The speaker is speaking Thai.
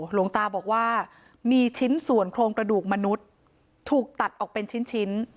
หลวงตาบอกว่ามีชิ้นส่วนโครงกระดูกมนุษย์ถูกตัดออกเป็นชิ้น